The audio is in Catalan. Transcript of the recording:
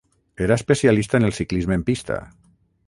Era especialista en el ciclisme en pista.